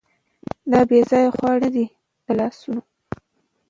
دا بېځايه خوارۍ نه دي د لاسونو